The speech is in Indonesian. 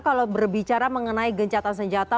kalau berbicara mengenai gencatan senjata